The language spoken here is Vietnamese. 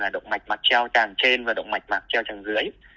động mạch mạc treo tràng trên và động mạch mạc treo tràng dưới